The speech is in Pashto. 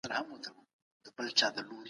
د قوانینو درناوی وکړئ.